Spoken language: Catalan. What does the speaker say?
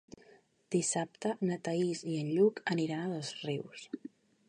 Dissabte na Thaís i en Lluc aniran a Dosrius.